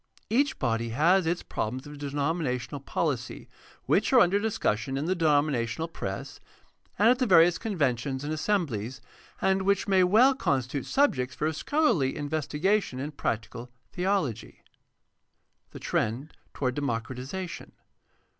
Each body has its problems of denom inational poKcy. which are under discussion in the denomina tional press, and at the various conventions and assemblies, and which may well constitute subjects for scholarly investi gation in practical theology. The trend toward democratization.